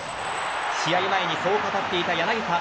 試合前にそう語っていた柳田。